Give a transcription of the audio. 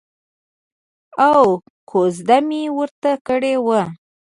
او کوزده مې ورته کړې وه.